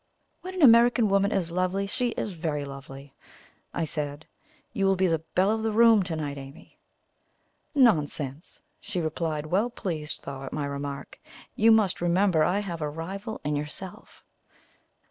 "When an American woman is lovely, she is very lovely," I said. "You will be the belle of the room to night, Amy!" "Nonsense!" she replied, well pleased, though, at my remark. "You must remember I have a rival in yourself."